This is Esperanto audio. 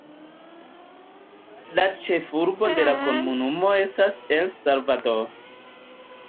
La ĉefurbo de la komunumo estas El Salvador.